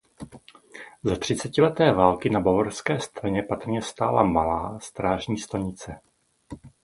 Za třicetileté války na bavorské straně patrně stála malá strážní stanice.